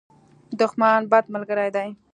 دښمن، بد ملګری دی.